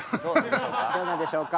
どうでしょうか。